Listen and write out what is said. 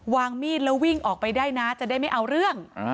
มีดแล้ววิ่งออกไปได้นะจะได้ไม่เอาเรื่อง